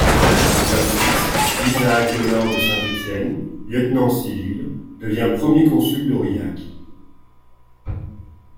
Leur fils, Isaac Delort de Saint-Étienne, lieutenant civil, devient premier consul d'Aurillac.